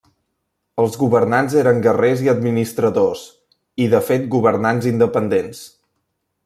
Els governants eren guerrers i administradors i de fet governants independents.